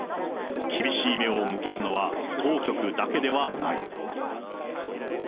厳しい目を向けるのは、当局だけではない。